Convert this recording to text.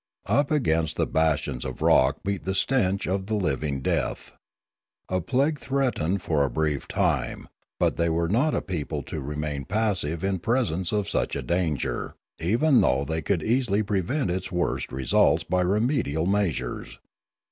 Up against the bastions of rock beat the stench of the living death. A plague threatened for a brief time; but they were not a people to remain passive in pres ence of such a danger, even though they could easily prevent its worst results by remedial measures.